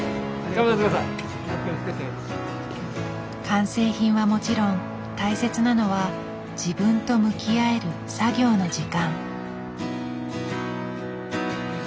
完成品はもちろん大切なのは自分と向き合える作業の時間。